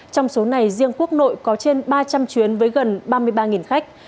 trong số này riêng quốc nội có trên ba trăm linh chuyến với gần ba mươi ba khách